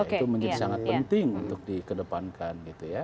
itu menjadi sangat penting untuk dikedepankan